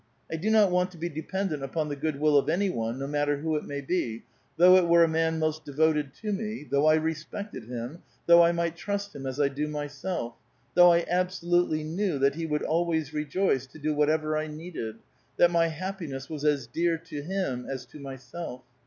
I do not want to be dependent upon tlie good will of any one, no matter who it may be, tlioiigb it were a man most devoted to me, though I re spected him, though 1 might trust him as I do myself, though I absolutely knew that he would always rejoice to do whatever 1 needed, that my happiness was as dear to him as to myself.